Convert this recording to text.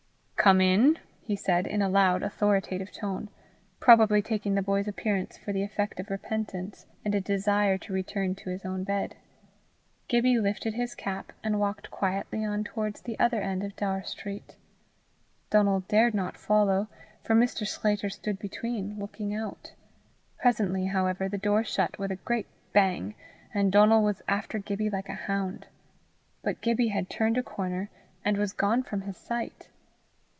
"Come in," he said, in a loud authoritative tone, probably taking the boy's appearance for the effect of repentance and a desire to return to his own bed. Gibbie lifted his cap, and walked quietly on towards the other end of Daur street. Donal dared not follow, for Mr. Sclater stood between, looking out. Presently however the door shut with a great bang, and Donal was after Gibbie like a hound. But Gibbie had turned a corner, and was gone from his sight.